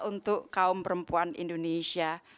untuk kaum perempuan indonesia